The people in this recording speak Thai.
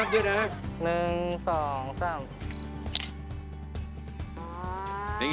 ยืดเลยนะ